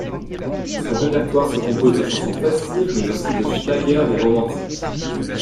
Son répertoire se compose de chansons festives, mais aussi de schlager et romantiques.